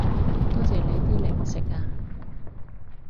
多謝你啲零食啊